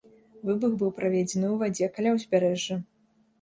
Выбух быў праведзены ў вадзе каля ўзбярэжжа.